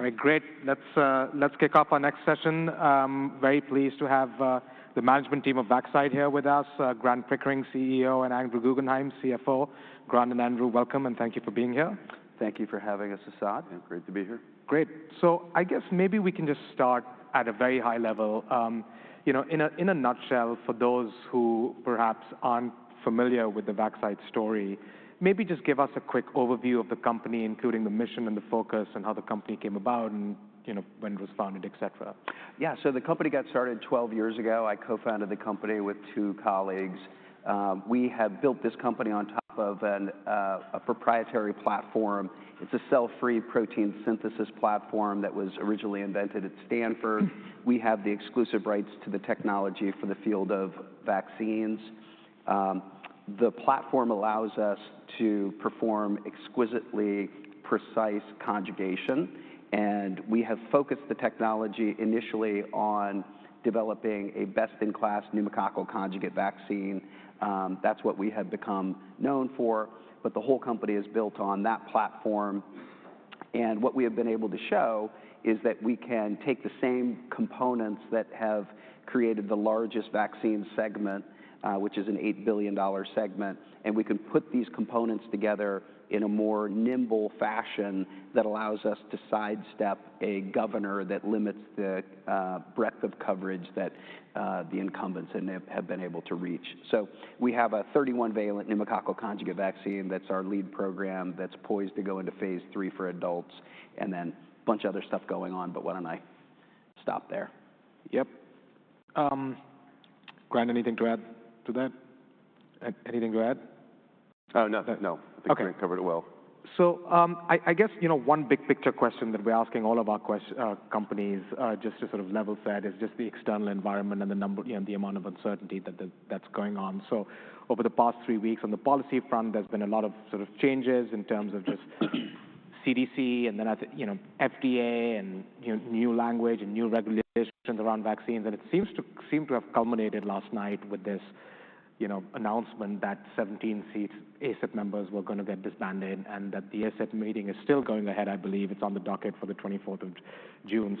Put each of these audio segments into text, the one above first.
All right, great. Let's kick off our next session. Very pleased to have the management team of Vaxcyte here with us, Grant Pickering, CEO, and Andrew Guggenhime, CFO. Grant and Andrew, welcome, and thank you for being here. Thank you for having us, Wassil. Great to be here. Great. I guess maybe we can just start at a very high level. In a nutshell, for those who perhaps aren't familiar with the Vaxcyte story, maybe just give us a quick overview of the company, including the mission and the focus, and how the company came about, and when it was founded, et cetera? Yeah, so the company got started 12 years ago. I co-founded the company with two colleagues. We have built this company on top of a proprietary platform. It's a cell-free protein synthesis platform that was originally invented at Stanford. We have the exclusive rights to the technology for the field of vaccines. The platform allows us to perform exquisitely precise conjugation, and we have focused the technology initially on developing a best-in-class pneumococcal conjugate vaccine. That's what we have become known for, but the whole company is built on that platform. What we have been able to show is that we can take the same components that have created the largest vaccine segment, which is an $8 billion segment, and we can put these components together in a more nimble fashion that allows us to sidestep a governor that limits the breadth of coverage that the incumbents have been able to reach. We have a 31-valent pneumococcal conjugate vaccine that's our lead program that's poised to go into phase three for adults, and then a bunch of other stuff going on, but why don't I stop there? Yep. Grant, anything to add to that? Anything to add? Oh, no, no. I think we covered it well. I guess one big picture question that we're asking all of our companies, just to sort of level set, is just the external environment and the amount of uncertainty that's going on. Over the past three weeks, on the policy front, there's been a lot of sort of changes in terms of just CDC, and then FDA, and new language, and new regulations around vaccines. It seems to have culminated last night with this announcement that 17 seat ACIP members were going to get disbanded, and that the ACIP meeting is still going ahead, I believe. It's on the docket for the 24th of June.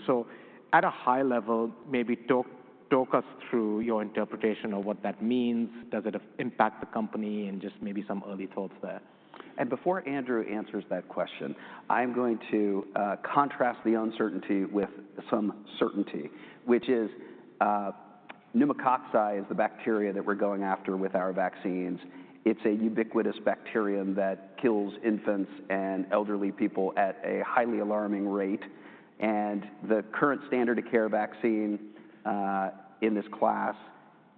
At a high level, maybe talk us through your interpretation of what that means. Does it impact the company? Maybe some early thoughts there. Before Andrew answers that question, I'm going to contrast the uncertainty with some certainty, which is pneumococci is the bacteria that we're going after with our vaccines. It's a ubiquitous bacterium that kills infants and elderly people at a highly alarming rate. The current standard of care vaccine in this class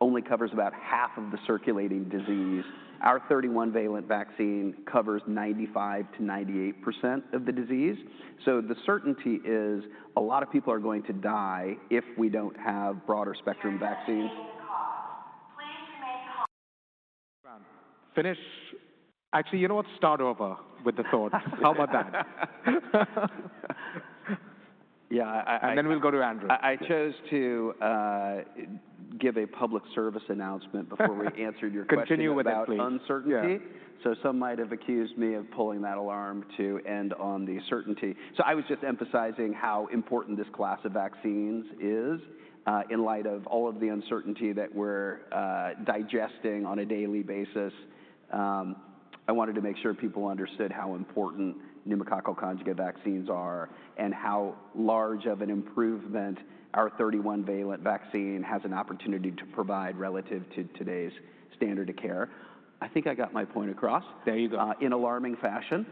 only covers about half of the circulating disease. Our 31-valent vaccine covers 95%-98% of the disease. The certainty is a lot of people are going to die if we don't have broader spectrum vaccines. Finish. Actually, you know what? Start over with the thought. How about that? Yeah. We'll go to Andrew. I chose to give a public service announcement before we answered your question. Continue without. About uncertainty. Some might have accused me of pulling that alarm to end on the certainty. I was just emphasizing how important this class of vaccines is in light of all of the uncertainty that we're digesting on a daily basis. I wanted to make sure people understood how important pneumococcal conjugate vaccines are and how large of an improvement our 31-valent vaccine has an opportunity to provide relative to today's standard of care. I think I got my point across. There you go. In alarming fashion.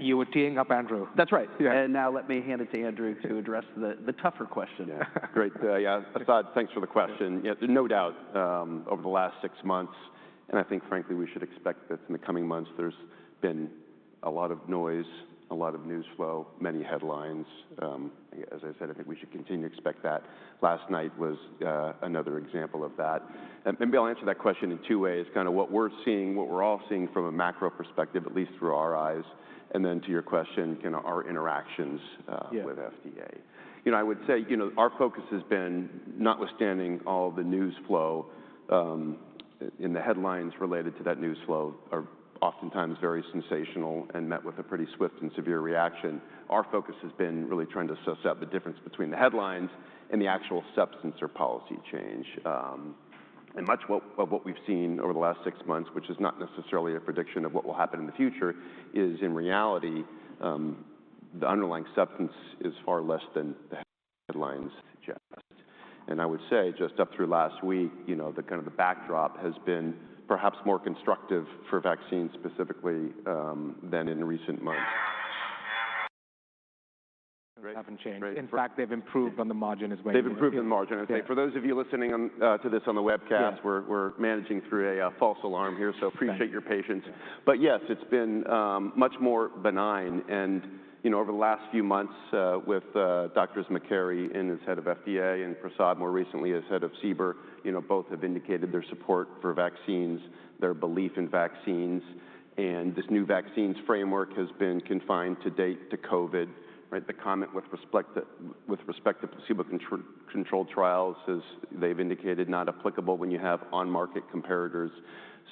You were teeing up Andrew. That's right. Yeah. Let me hand it to Andrew to address the tougher question. Yeah. Great. Yeah, Wassil, thanks for the question. No doubt, over the last six months, and I think, frankly, we should expect that in the coming months, there's been a lot of noise, a lot of news flow, many headlines. As I said, I think we should continue to expect that. Last night was another example of that. Maybe I'll answer that question in two ways. Kind of what we're seeing, what we're all seeing from a macro perspective, at least through our eyes, and then to your question, kind of our interactions with FDA. I would say our focus has been, notwithstanding all the news flow and the headlines related to that news flow, are oftentimes very sensational and met with a pretty swift and severe reaction. Our focus has been really trying to suss out the difference between the headlines and the actual substance or policy change. Much of what we've seen over the last six months, which is not necessarily a prediction of what will happen in the future, is in reality, the underlying substance is far less than the headlines suggest. I would say just up through last week, kind of the backdrop has been perhaps more constructive for vaccines specifically than in recent months. Haven't changed. In fact, they've improved on the margin as well. They've improved on the margin. I'd say for those of you listening to this on the webcast, we're managing through a false alarm here, so appreciate your patience. Yes, it's been much more benign. Over the last few months with Drs. McCarrey and his head of FDA and Wassil, more recently as head of CBER, both have indicated their support for vaccines, their belief in vaccines. This new vaccines framework has been confined to date to COVID. The comment with respect to placebo-controlled trials is they've indicated not applicable when you have on-market comparators.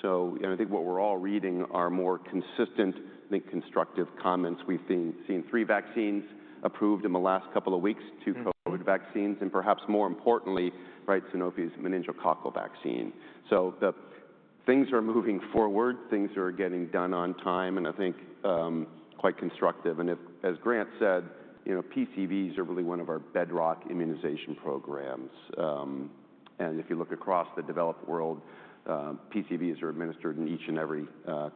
I think what we're all reading are more consistent, I think, constructive comments. We've seen three vaccines approved in the last couple of weeks, two COVID vaccines, and perhaps more importantly, Sanofi's meningococcal vaccine. Things are moving forward. Things are getting done on time, and I think quite constructive. As Grant said, PCVs are really one of our bedrock immunization programs. If you look across the developed world, PCVs are administered in each and every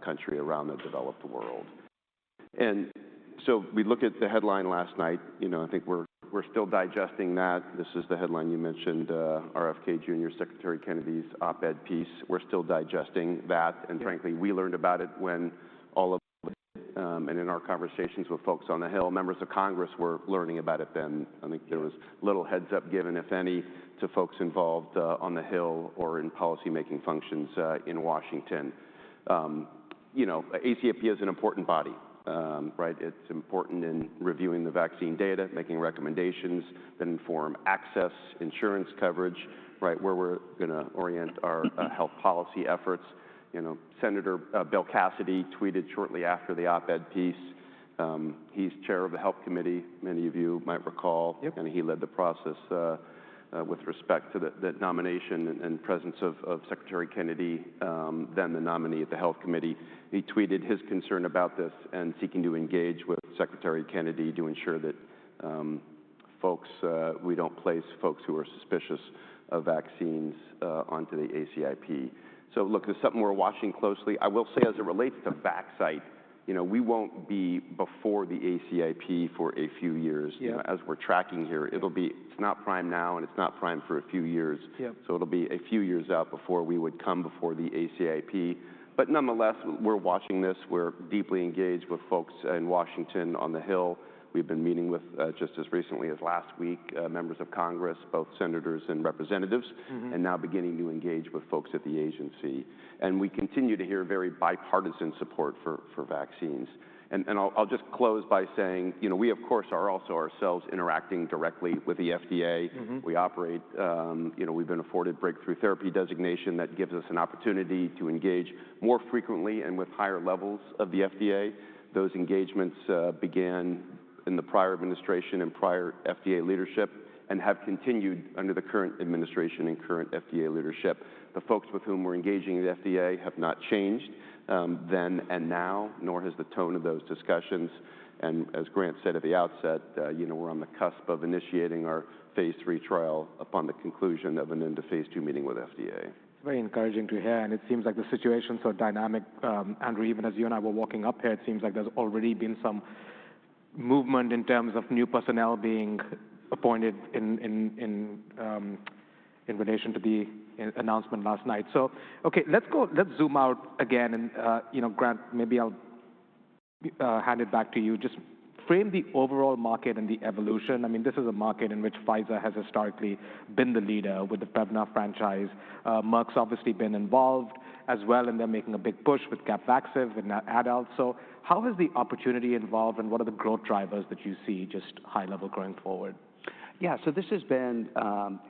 country around the developed world. We look at the headline last night. I think we're still digesting that. This is the headline you mentioned, RFK Jr., Secretary Kennedy's op-ed piece. We're still digesting that. Frankly, we learned about it when all of the, and in our conversations with folks on the Hill, members of Congress were learning about it then. I think there was little heads-up given, if any, to folks involved on the Hill or in policymaking functions in Washington. ACIP is an important body. It's important in reviewing the vaccine data, making recommendations, then inform access, insurance coverage, where we're going to orient our health policy efforts. Senator Bill Cassidy tweeted shortly after the op-ed piece. He's chair of the Health Committee, many of you might recall, and he led the process with respect to the nomination and presence of Secretary Kennedy, then the nominee of the Health Committee. He tweeted his concern about this and seeking to engage with Secretary Kennedy to ensure that folks, we don't place folks who are suspicious of vaccines onto the ACIP. Look, this is something we're watching closely. I will say as it relates to Vaxcyte, we won't be before the ACIP for a few years. As we're tracking here, it's not prime now, and it's not prime for a few years. It'll be a few years out before we would come before the ACIP. Nonetheless, we're watching this. We're deeply engaged with folks in Washington on the Hill. We've been meeting with just as recently as last week, members of Congress, both senators and representatives, and now beginning to engage with folks at the agency. We continue to hear very bipartisan support for vaccines. I'll just close by saying we, of course, are also ourselves interacting directly with the FDA. We operate we've been afforded breakthrough therapy designation that gives us an opportunity to engage more frequently and with higher levels of the FDA. Those engagements began in the prior administration and prior FDA leadership and have continued under the current administration and current FDA leadership. The folks with whom we're engaging with FDA have not changed then and now, nor has the tone of those discussions. As Grant said at the outset, we're on the cusp of initiating our phase three trial upon the conclusion of an end of phase two meeting with FDA. It's very encouraging to hear. It seems like the situation's so dynamic. Andrew, even as you and I were walking up here, it seems like there's already been some movement in terms of new personnel being appointed in relation to the announcement last night. Okay, let's zoom out again. Grant, maybe I'll hand it back to you. Just frame the overall market and the evolution. I mean, this is a market in which Pfizer has historically been the leader with the Prevnar franchise. Merck's obviously been involved as well, and they're making a big push with Capvaxive and adult. How has the opportunity evolved, and what are the growth drivers that you see just high level going forward? Yeah, so this has been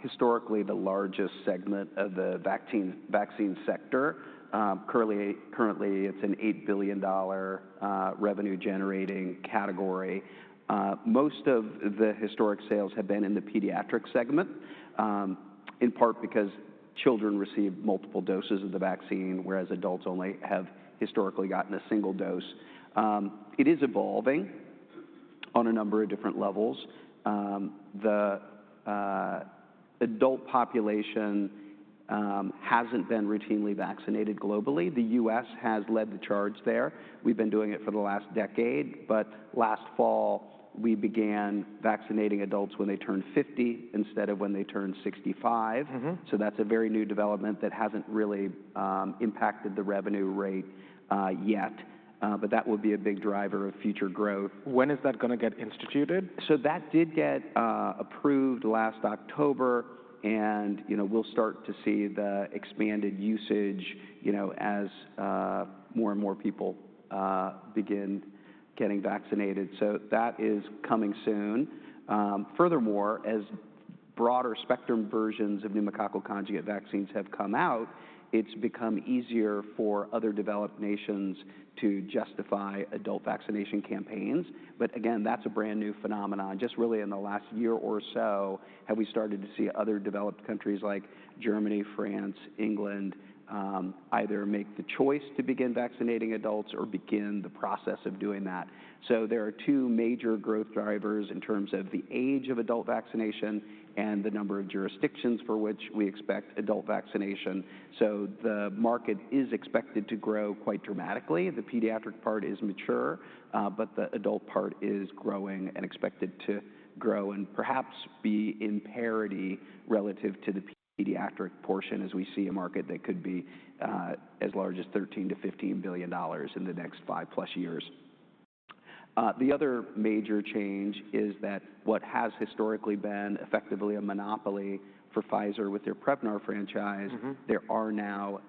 historically the largest segment of the vaccine sector. Currently, it's an $8 billion revenue-generating category. Most of the historic sales have been in the pediatric segment, in part because children receive multiple doses of the vaccine, whereas adults only have historically gotten a single dose. It is evolving on a number of different levels. The adult population hasn't been routinely vaccinated globally. The U.S. has led the charge there. We've been doing it for the last decade. Last fall, we began vaccinating adults when they turned 50 instead of when they turned 65. That is a very new development that hasn't really impacted the revenue rate yet. That will be a big driver of future growth. When is that going to get instituted? That did get approved last October, and we'll start to see the expanded usage as more and more people begin getting vaccinated. That is coming soon. Furthermore, as broader spectrum versions of pneumococcal conjugate vaccines have come out, it's become easier for other developed nations to justify adult vaccination campaigns. Again, that's a brand new phenomenon. Just really in the last year or so have we started to see other developed countries like Germany, France, England either make the choice to begin vaccinating adults or begin the process of doing that. There are two major growth drivers in terms of the age of adult vaccination and the number of jurisdictions for which we expect adult vaccination. The market is expected to grow quite dramatically. The pediatric part is mature, but the adult part is growing and expected to grow and perhaps be in parity relative to the pediatric portion as we see a market that could be as large as $13 billion-$15 billion in the next five-plus years. The other major change is that what has historically been effectively a monopoly for Pfizer with their Prevnar franchise, there are now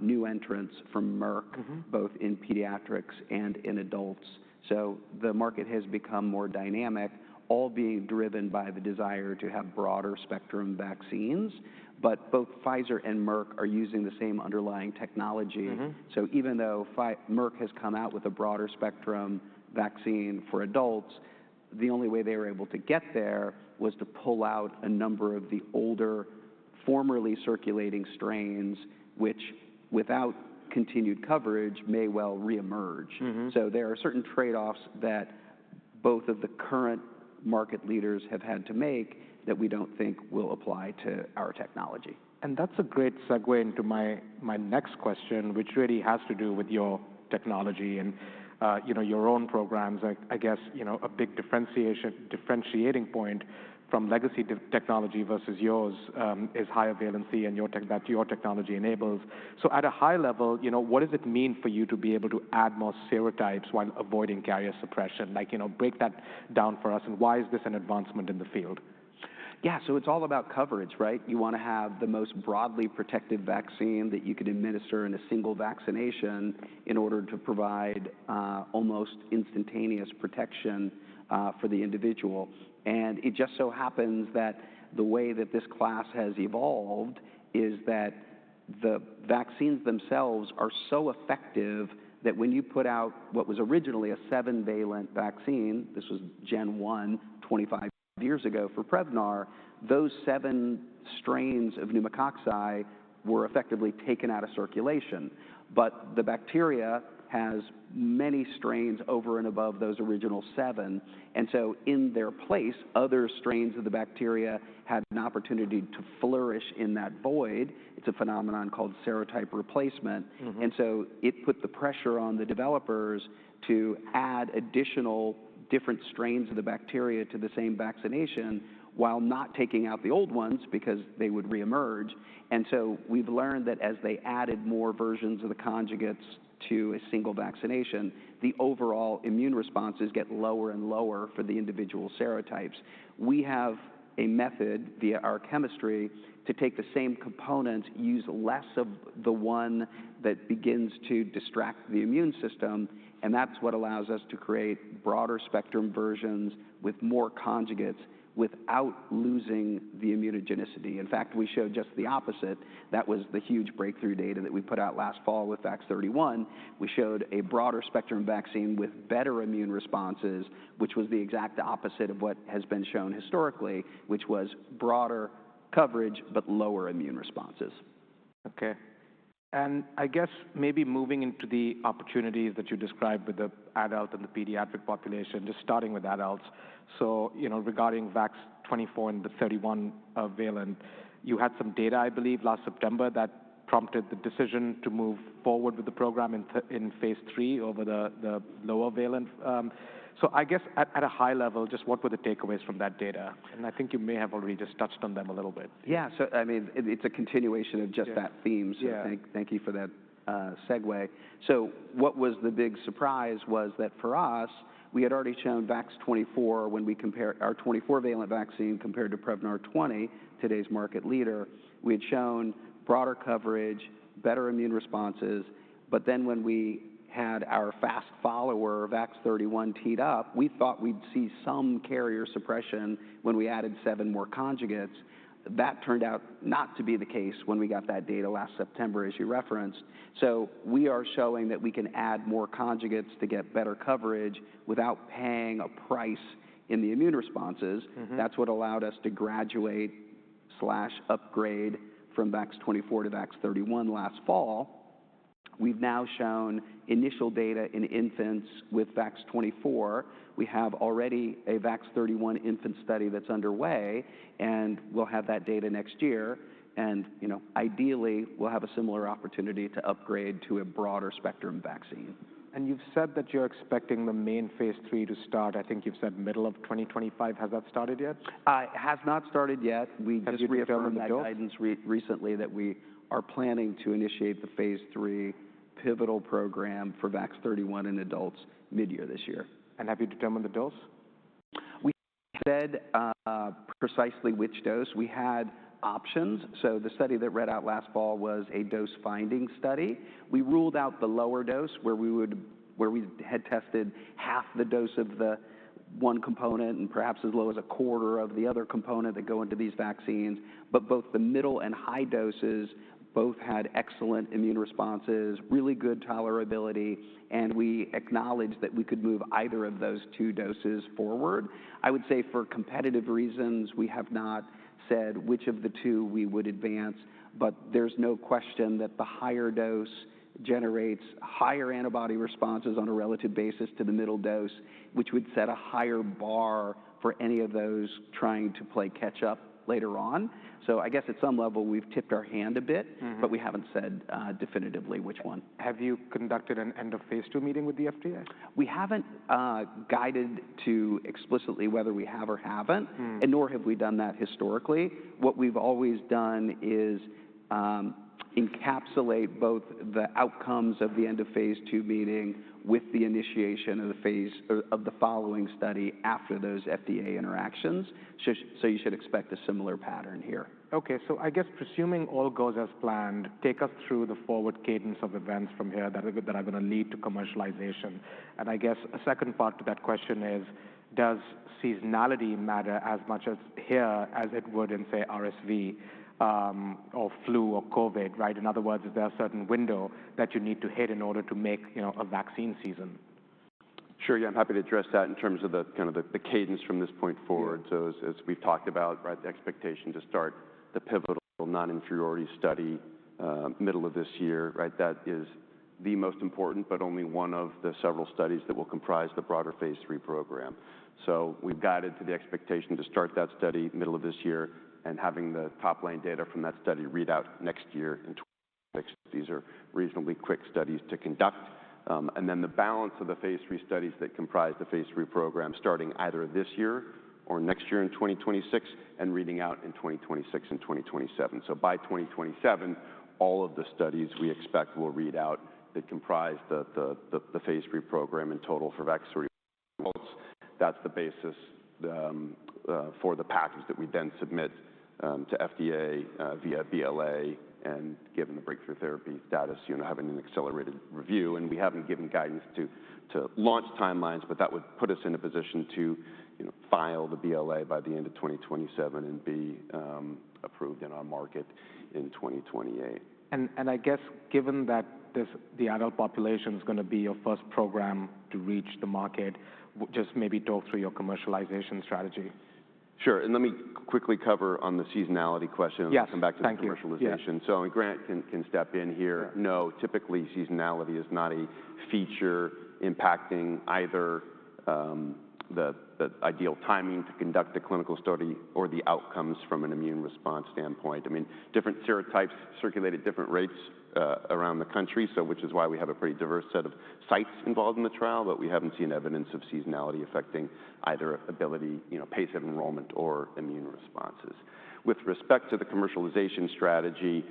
new entrants from Merck, both in pediatrics and in adults. The market has become more dynamic, all being driven by the desire to have broader spectrum vaccines. Both Pfizer and Merck are using the same underlying technology. Even though Merck has come out with a broader spectrum vaccine for adults, the only way they were able to get there was to pull out a number of the older formerly circulating strains, which without continued coverage may well reemerge. There are certain trade-offs that both of the current market leaders have had to make that we don't think will apply to our technology. That's a great segue into my next question, which really has to do with your technology and your own programs. I guess a big differentiating point from legacy technology versus yours is higher valency and that your technology enables. At a high level, what does it mean for you to be able to add more serotypes while avoiding carrier suppression? Break that down for us. Why is this an advancement in the field? Yeah, so it's all about coverage. You want to have the most broadly protected vaccine that you could administer in a single vaccination in order to provide almost instantaneous protection for the individual. It just so happens that the way that this class has evolved is that the vaccines themselves are so effective that when you put out what was originally a seven-valent vaccine, this was Gen 1 25 years ago for Prevnar, those seven strains of pneumococci were effectively taken out of circulation. The bacteria has many strains over and above those original seven. In their place, other strains of the bacteria had an opportunity to flourish in that void. It's a phenomenon called serotype replacement. It put the pressure on the developers to add additional different strains of the bacteria to the same vaccination while not taking out the old ones because they would reemerge. We have learned that as they added more versions of the conjugates to a single vaccination, the overall immune responses get lower and lower for the individual serotypes. We have a method via our chemistry to take the same components, use less of the one that begins to distract the immune system. That is what allows us to create broader spectrum versions with more conjugates without losing the immunogenicity. In fact, we showed just the opposite. That was the huge breakthrough data that we put out last fall with VAX-31. We showed a broader spectrum vaccine with better immune responses, which was the exact opposite of what has been shown historically, which was broader coverage but lower immune responses. Okay. I guess maybe moving into the opportunities that you described with the adult and the pediatric population, just starting with adults. Regarding VAX-24 and the 31 valent, you had some data, I believe, last September that prompted the decision to move forward with the program in phase three over the lower valent. I guess at a high level, just what were the takeaways from that data? I think you may have already just touched on them a little bit. Yeah, so I mean, it's a continuation of just that theme. Thank you for that segue. What was the big surprise was that for us, we had already shown VAX-24 when we compared our 24-valent vaccine compared to Prevnar 20, today's market leader. We had shown broader coverage, better immune responses. Then when we had our fast follower VAX-31 teed up, we thought we'd see some carrier suppression when we added seven more conjugates. That turned out not to be the case when we got that data last September, as you referenced. We are showing that we can add more conjugates to get better coverage without paying a price in the immune responses. That's what allowed us to graduate or upgrade from VAX-24 to VAX-31 last fall. We've now shown initial data in infants with VAX-24. We have already a VAX-31 infant study that's underway, and we'll have that data next year. Ideally, we'll have a similar opportunity to upgrade to a broader spectrum vaccine. You've said that you're expecting the main phase three to start. I think you've said middle of 2025. Has that started yet? It has not started yet. We just reaffirmed in the guidance recently that we are planning to initiate the phase three pivotal program for VAX-31 in adults midyear this year. Have you determined the dose? We said precisely which dose. We had options. The study that read out last fall was a dose finding study. We ruled out the lower dose where we had tested half the dose of the one component and perhaps as low as a quarter of the other component that go into these vaccines. Both the middle and high doses both had excellent immune responses, really good tolerability. We acknowledged that we could move either of those two doses forward. I would say for competitive reasons, we have not said which of the two we would advance. There is no question that the higher dose generates higher antibody responses on a relative basis to the middle dose, which would set a higher bar for any of those trying to play catch-up later on. I guess at some level, we've tipped our hand a bit, but we haven't said definitively which one. Have you conducted an end of phase two meeting with the FDA? We haven't guided to explicitly whether we have or haven't, and nor have we done that historically. What we've always done is encapsulate both the outcomes of the end of phase two meeting with the initiation of the following study after those FDA interactions. You should expect a similar pattern here. Okay. So I guess presuming all goes as planned, take us through the forward cadence of events from here that are going to lead to commercialization. I guess a second part to that question is, does seasonality matter as much here as it would in, say, RSV or flu or COVID? In other words, is there a certain window that you need to hit in order to make a vaccine season? Sure. Yeah, I'm happy to address that in terms of the cadence from this point forward. As we've talked about, the expectation to start the pivotal non-inferiority study middle of this year, that is the most important, but only one of the several studies that will comprise the broader phase three program. We've guided to the expectation to start that study middle of this year and having the top-line data from that study read out next year in 2026. These are reasonably quick studies to conduct. The balance of the phase three studies that comprise the phase three program starting either this year or next year in 2026 and reading out in 2026 and 2027. By 2027, all of the studies we expect will read out that comprise the phase three program in total for VAX-31 adults. That's the basis for the package that we then submit to FDA via BLA, and given the breakthrough therapy status, having an accelerated review. We haven't given guidance to launch timelines, but that would put us in a position to file the BLA by the end of 2027 and be approved in our market in 2028. I guess given that the adult population is going to be your first program to reach the market, just maybe talk through your commercialization strategy. Sure. Let me quickly cover on the seasonality question and come back to the commercialization. Grant can step in here. No, typically seasonality is not a feature impacting either the ideal timing to conduct a clinical study or the outcomes from an immune response standpoint. I mean, different serotypes circulate at different rates around the country, which is why we have a pretty diverse set of sites involved in the trial, but we haven't seen evidence of seasonality affecting either ability, pace of enrollment, or immune responses. With respect to the commercialization strategy,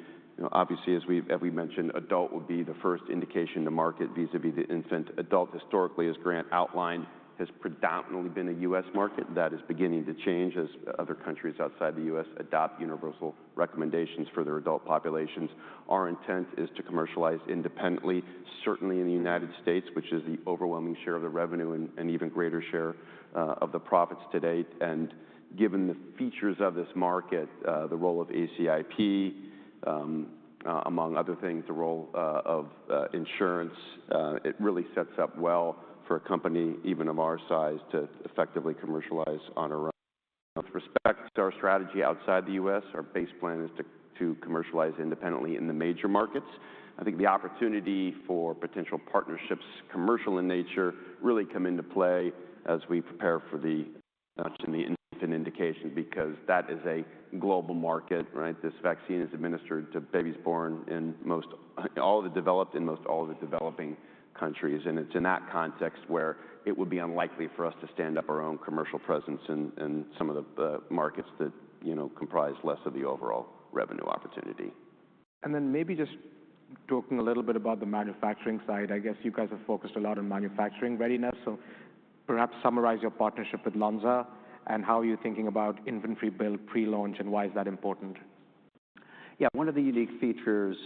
obviously, as we mentioned, adult would be the first indication to market vis-à-vis the infant. Adult, historically, as Grant outlined, has predominantly been a U.S. market. That is beginning to change as other countries outside the U.S. adopt universal recommendations for their adult populations. Our intent is to commercialize independently, certainly in the United States, which is the overwhelming share of the revenue and even greater share of the profits today. Given the features of this market, the role of ACIP, among other things, the role of insurance, it really sets up well for a company, even of our size, to effectively commercialize on our own. With respect to our strategy outside the U.S., our base plan is to commercialize independently in the major markets. I think the opportunity for potential partnerships commercial in nature really come into play as we prepare for the notch in the infant indication because that is a global market. This vaccine is administered to babies born in all the developed and most all of the developing countries. It is in that context where it would be unlikely for us to stand up our own commercial presence in some of the markets that comprise less of the overall revenue opportunity. Maybe just talking a little bit about the manufacturing side, I guess you guys have focused a lot on manufacturing readiness. Perhaps summarize your partnership with Lonza and how you're thinking about inventory build, pre-launch, and why is that important? Yeah, one of the unique features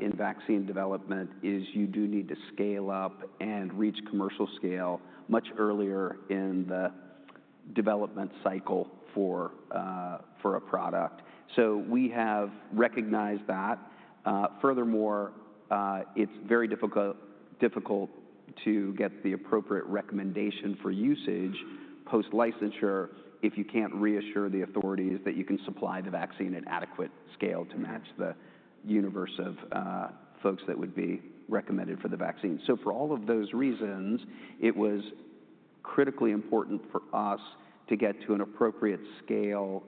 in vaccine development is you do need to scale up and reach commercial scale much earlier in the development cycle for a product. We have recognized that. Furthermore, it's very difficult to get the appropriate recommendation for usage post-licensure if you can't reassure the authorities that you can supply the vaccine at adequate scale to match the universe of folks that would be recommended for the vaccine. For all of those reasons, it was critically important for us to get to an appropriate scale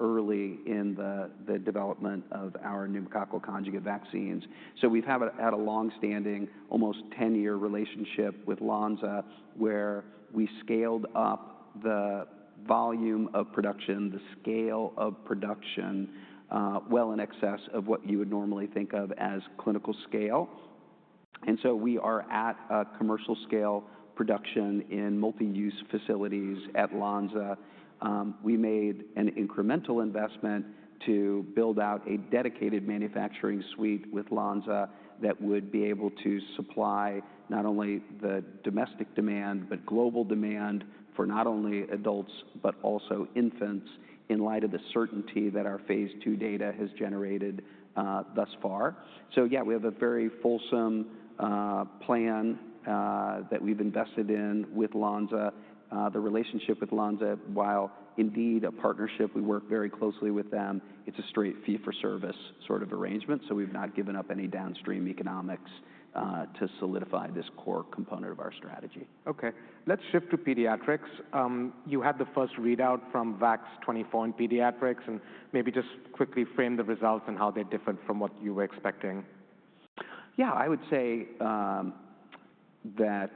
early in the development of our pneumococcal conjugate vaccines. We've had a long-standing, almost 10-year relationship with Lonza where we scaled up the volume of production, the scale of production well in excess of what you would normally think of as clinical scale. We are at a commercial scale production in multi-use facilities at Lonza. We made an incremental investment to build out a dedicated manufacturing suite with Lonza that would be able to supply not only the domestic demand, but global demand for not only adults, but also infants in light of the certainty that our phase two data has generated thus far. Yeah, we have a very fulsome plan that we've invested in with Lonza. The relationship with Lonza, while indeed a partnership, we work very closely with them. It's a straight fee-for-service sort of arrangement. We've not given up any downstream economics to solidify this core component of our strategy. Okay. Let's shift to pediatrics. You had the first readout from VAX-24 in pediatrics. And maybe just quickly frame the results and how they differed from what you were expecting? Yeah, I would say that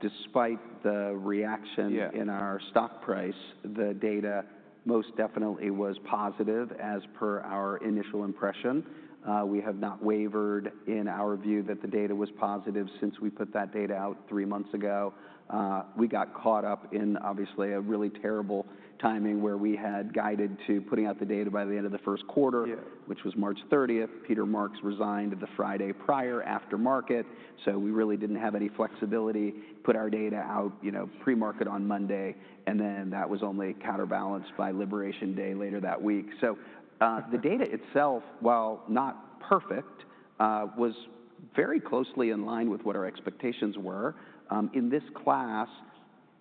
despite the reaction in our stock price, the data most definitely was positive as per our initial impression. We have not wavered in our view that the data was positive since we put that data out three months ago. We got caught up in obviously a really terrible timing where we had guided to putting out the data by the end of the first quarter, which was March 30. Peter Marks resigned the Friday prior aftermarket. We really didn't have any flexibility, put our data out pre-market on Monday, and then that was only counterbalanced by liberation day later that week. The data itself, while not perfect, was very closely in line with what our expectations were. In this class,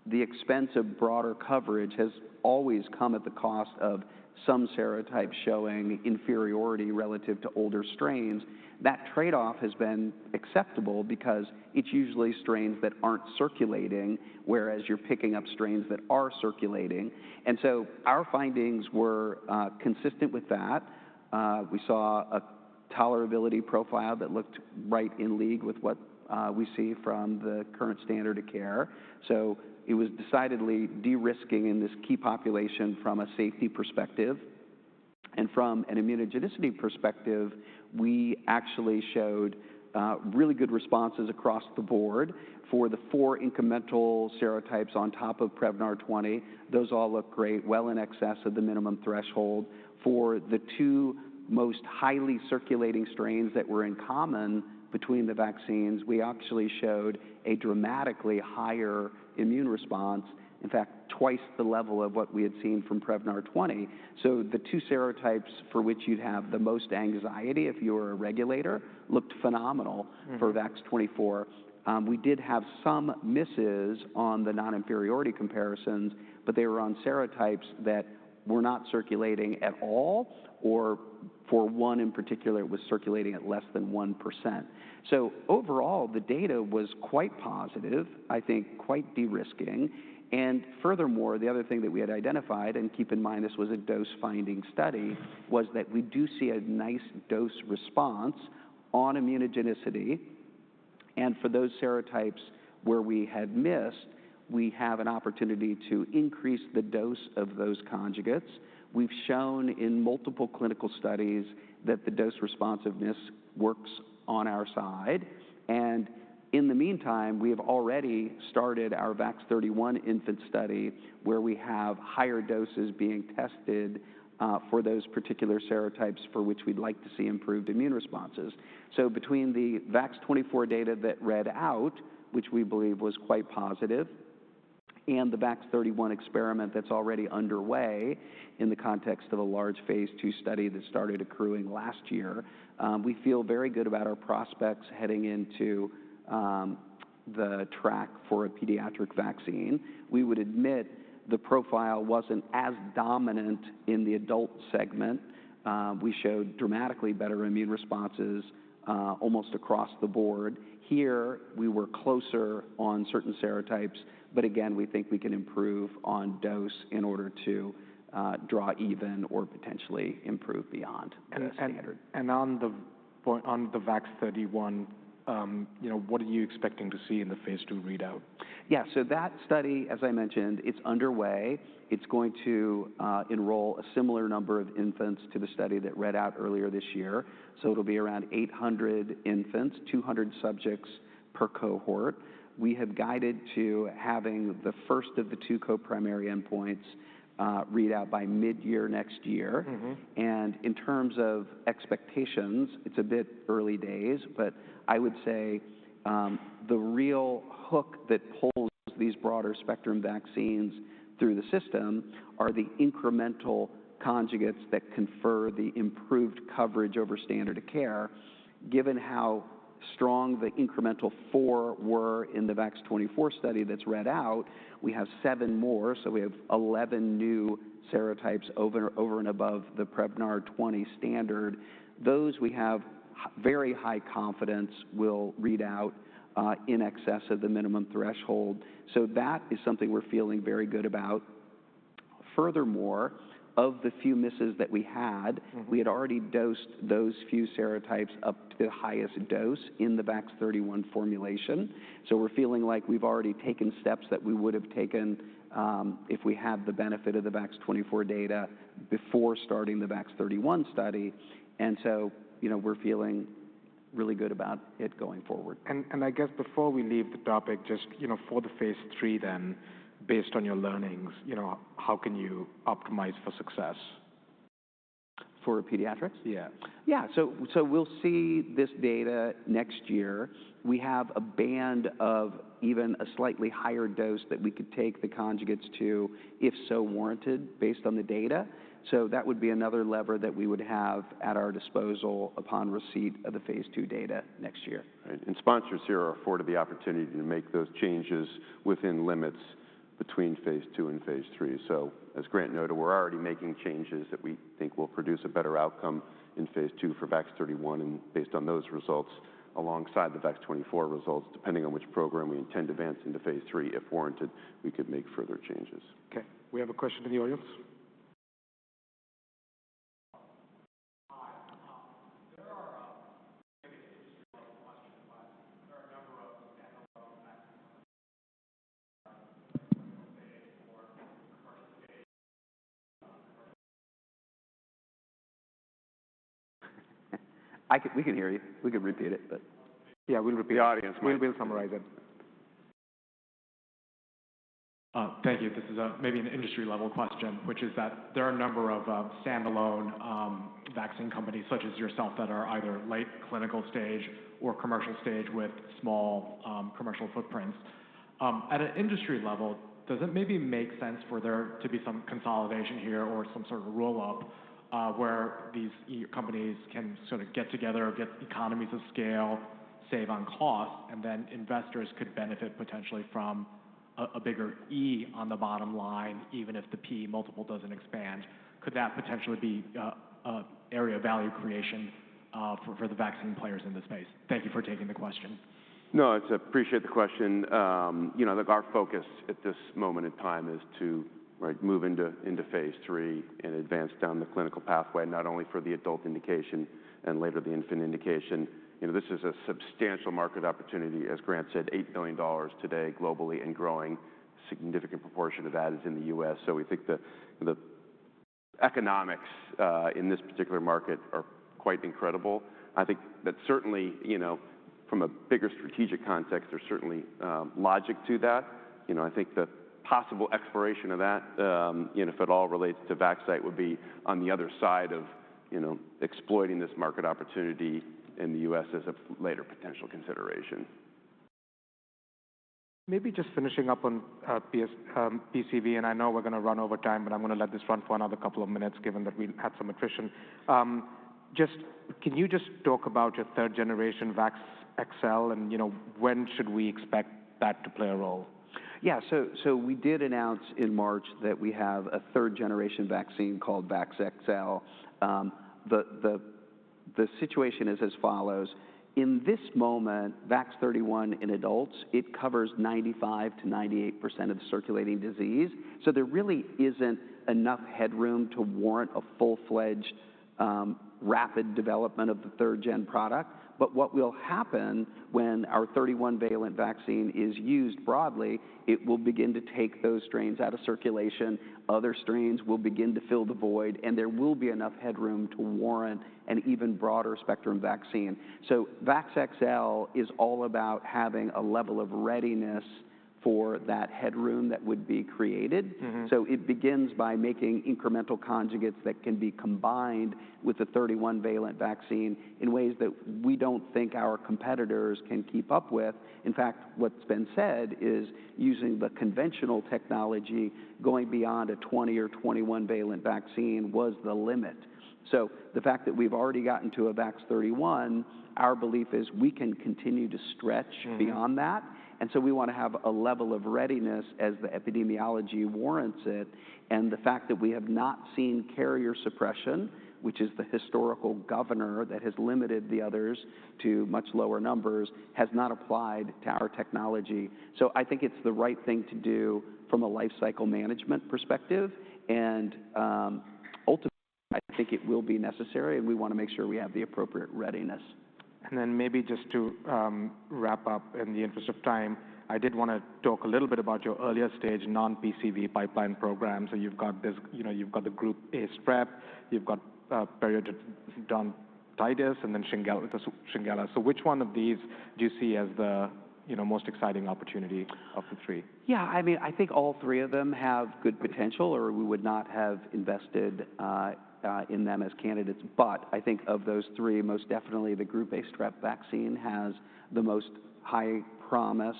the expense of broader coverage has always come at the cost of some serotype showing inferiority relative to older strains. That trade-off has been acceptable because it's usually strains that aren't circulating, whereas you're picking up strains that are circulating. Our findings were consistent with that. We saw a tolerability profile that looked right in league with what we see from the current standard of care. It was decidedly de-risking in this key population from a safety perspective. From an immunogenicity perspective, we actually showed really good responses across the board for the four incremental serotypes on top of Prevnar 20. Those all look great, well in excess of the minimum threshold. For the two most highly circulating strains that were in common between the vaccines, we actually showed a dramatically higher immune response, in fact, twice the level of what we had seen from Prevnar 20. The two serotypes for which you'd have the most anxiety if you were a regulator looked phenomenal for VAX-24. We did have some misses on the non-inferiority comparisons, but they were on serotypes that were not circulating at all, or for one in particular, it was circulating at less than 1%. Overall, the data was quite positive, I think quite de-risking. Furthermore, the other thing that we had identified, and keep in mind this was a dose finding study, was that we do see a nice dose response on immunogenicity. For those serotypes where we had missed, we have an opportunity to increase the dose of those conjugates. We've shown in multiple clinical studies that the dose responsiveness works on our side. In the meantime, we have already started our VAX-31 infant study where we have higher doses being tested for those particular serotypes for which we'd like to see improved immune responses. Between the VAX-24 data that read out, which we believe was quite positive, and the VAX-31 experiment that's already underway in the context of a large phase two study that started accruing last year, we feel very good about our prospects heading into the track for a pediatric vaccine. We would admit the profile wasn't as dominant in the adult segment. We showed dramatically better immune responses almost across the board. Here, we were closer on certain serotypes, but again, we think we can improve on dose in order to draw even or potentially improve beyond that standard. On the VAX-31, what are you expecting to see in the phase two readout? Yeah, so that study, as I mentioned, it's underway. It's going to enroll a similar number of infants to the study that read out earlier this year. It will be around 800 infants, 200 subjects per cohort. We have guided to having the first of the two co-primary endpoints read out by mid-year next year. In terms of expectations, it's a bit early days, but I would say the real hook that pulls these broader spectrum vaccines through the system are the incremental conjugates that confer the improved coverage over standard of care. Given how strong the incremental four were in the VAX-24 study that has read out, we have seven more. We have 11 new serotypes over and above the Prevnar 20 standard. Those we have very high confidence will read out in excess of the minimum threshold. That is something we're feeling very good about. Furthermore, of the few misses that we had, we had already dosed those few serotypes up to the highest dose in the VAX-31 formulation. We are feeling like we have already taken steps that we would have taken if we had the benefit of the VAX-24 data before starting the VAX-31 study. We are feeling really good about it going forward. I guess before we leave the topic, just for the phase three then, based on your learnings, how can you optimize for success? For pediatrics? Yeah. Yeah, so we'll see this data next year. We have a band of even a slightly higher dose that we could take the conjugates to, if so warranted, based on the data. That would be another lever that we would have at our disposal upon receipt of the phase two data next year. Sponsors here are afforded the opportunity to make those changes within limits between phase two and phase three. As Grant noted, we're already making changes that we think will produce a better outcome in phase two for VAX-31 and based on those results alongside the VAX-24 results, depending on which program we intend to advance into phase three. If warranted, we could make further changes. Okay. We have a question in the audience. We can hear you. We can repeat it, but. Yeah, we can repeat it. The audience. We can summarize it. Thank you. This is maybe an industry-level question, which is that there are a number of standalone vaccine companies such as yourself that are either late clinical stage or commercial stage with small commercial footprints. At an industry level, does it maybe make sense for there to be some consolidation here or some sort of roll-up where these companies can sort of get together, get economies of scale, save on cost, and then investors could benefit potentially from a bigger E on the bottom line, even if the P multiple does not expand? Could that potentially be an area of value creation for the vaccine players in this space? Thank you for taking the question. No, I appreciate the question. Our focus at this moment in time is to move into phase three and advance down the clinical pathway, not only for the adult indication and later the infant indication. This is a substantial market opportunity, as Grant said, $8 billion today globally and growing. A significant proportion of that is in the U.S. We think the economics in this particular market are quite incredible. I think that certainly from a bigger strategic context, there is certainly logic to that. I think the possible exploration of that, if it all relates to Vaxcyte, would be on the other side of exploiting this market opportunity in the U.S. as a later potential consideration. Maybe just finishing up on PCV, and I know we're going to run over time, but I'm going to let this run for another couple of minutes given that we had some attrition. Just can you just talk about your third-generation VAXXL and when should we expect that to play a role? Yeah, so we did announce in March that we have a third-generation vaccine called VAXXL. The situation is as follows. In this moment, VAX-31 in adults, it covers 95%-98% of the circulating disease. There really isn't enough headroom to warrant a full-fledged rapid development of the third-gen product. What will happen when our 31 valent vaccine is used broadly, it will begin to take those strains out of circulation. Other strains will begin to fill the void, and there will be enough headroom to warrant an even broader spectrum vaccine. VAXXL is all about having a level of readiness for that headroom that would be created. It begins by making incremental conjugates that can be combined with the 31 valent vaccine in ways that we don't think our competitors can keep up with. In fact, what's been said is using the conventional technology, going beyond a 20 or 21 valent vaccine was the limit. The fact that we've already gotten to a VAX-31, our belief is we can continue to stretch beyond that. We want to have a level of readiness as the epidemiology warrants it. The fact that we have not seen carrier suppression, which is the historical governor that has limited the others to much lower numbers, has not applied to our technology. I think it's the right thing to do from a lifecycle management perspective. Ultimately, I think it will be necessary, and we want to make sure we have the appropriate readiness. Maybe just to wrap up in the interest of time, I did want to talk a little bit about your earlier stage non-PCV pipeline program. You have the group A strep, you have periodontitis, and then Shigella. Which one of these do you see as the most exciting opportunity of the three? Yeah, I mean, I think all three of them have good potential, or we would not have invested in them as candidates. I think of those three, most definitely the group A strep vaccine has the most high promise,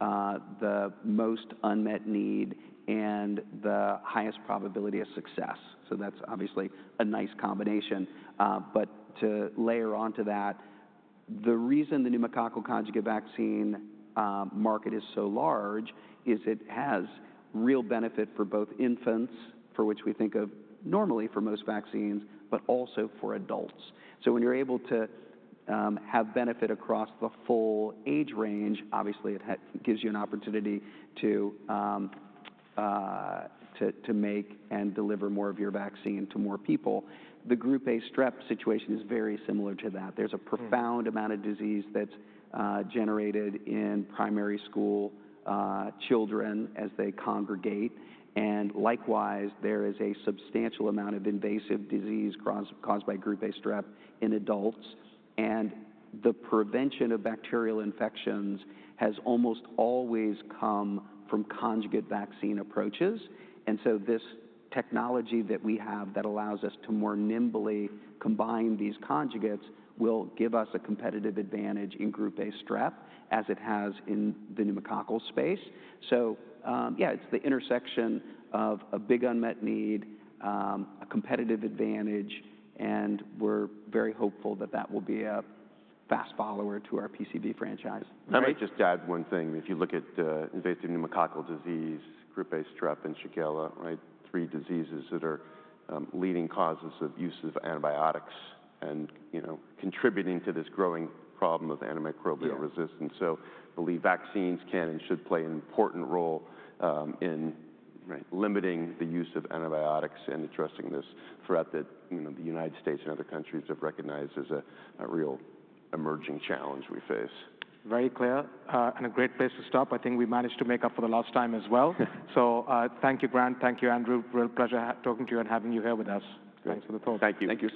the most unmet need, and the highest probability of success. That's obviously a nice combination. To layer onto that, the reason the pneumococcal conjugate vaccine market is so large is it has real benefit for both infants, for which we think of normally for most vaccines, but also for adults. When you're able to have benefit across the full age range, it gives you an opportunity to make and deliver more of your vaccine to more people. The group A strep situation is very similar to that. There's a profound amount of disease that's generated in primary school children as they congregate. Likewise, there is a substantial amount of invasive disease caused by group A strep in adults. The prevention of bacterial infections has almost always come from conjugate vaccine approaches. This technology that we have that allows us to more nimbly combine these conjugates will give us a competitive advantage in group A strep as it has in the pneumococcal space. Yeah, it is the intersection of a big unmet need, a competitive advantage, and we are very hopeful that that will be a fast follower to our PCV franchise. I might just add one thing. If you look at invasive pneumococcal disease, group A strep and Shigella, right, three diseases that are leading causes of use of antibiotics and contributing to this growing problem of antimicrobial resistance. I believe vaccines can and should play an important role in limiting the use of antibiotics and addressing this throughout the United States and other countries have recognized as a real emerging challenge we face. Very clear and a great place to stop. I think we managed to make up for the last time as well. Thank you, Grant. Thank you, Andrew. Real pleasure talking to you and having you here with us. Thanks for the talk. Thank you.